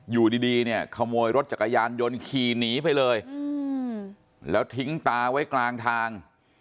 อยู่ดีเนี่ยขโมยรถจักรยานยนต์ขี่หนีไปเลยแล้วทิ้งตาไว้กลางทาง